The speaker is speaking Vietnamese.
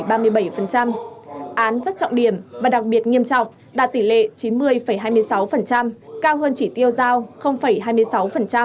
án rất trọng điểm và đặc biệt nghiêm trọng đạt tỷ lệ chín mươi hai mươi sáu cao hơn chỉ tiêu giao hai mươi sáu